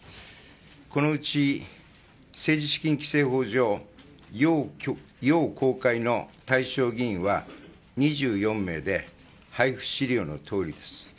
このうち政治資金規正法上要公開の対象議員は２４名で配布資料のとおりです。